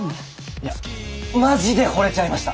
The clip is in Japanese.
いやマジで惚れちゃいました。